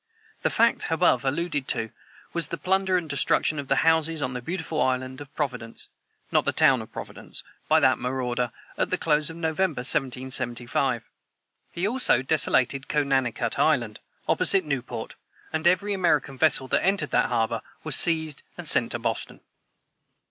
The fact above alluded to was the plunder and destruction of the houses on the beautiful island of Providence (not the town of Providence) by that marauder, at the close of November, 1775. He also desolated Connanicut island, opposite Newport; and every American vessel that entered that harbor was seized and sent to Boston.